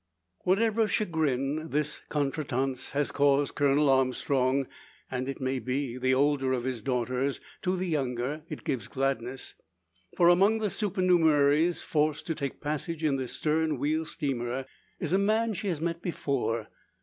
Whatever of chagrin this contretemps has caused Colonel Armstrong and, it may be, the older of his daughters to the younger it gives gladness. For among the supernumeraries forced to take passage in the stern wheel steamer, is a man she has met before.